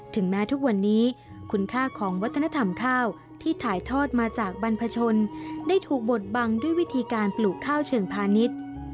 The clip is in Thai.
ถึงแม้ทุกวันนี้คุณค่าของวัฒนธรรมข้าวที่ถ่ายทอดมาจากบรรพชนได้ถูกบดบังด้วยวิธีการปลูกข้าวเชิงพาณิชย์